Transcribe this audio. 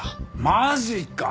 マジか！